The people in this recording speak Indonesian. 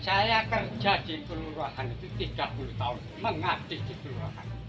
saya kerja di perurahan itu tiga puluh tahun mengantisipasi perurahan